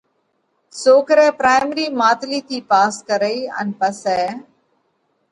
سوڪرئہ پرائمرِي ماتلِي ٿِي پاس ڪرئِي ان پسئہ